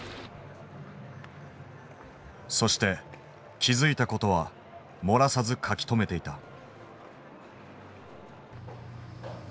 そして気付いたことは漏らさず書き留めていた。